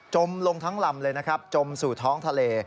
ลงทั้งลำเลยนะครับจมสู่ท้องทะเล